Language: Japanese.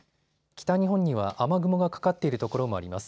北日本には雨雲がかかっている所もあります。